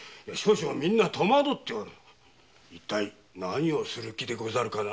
一体何をする気でござるかな？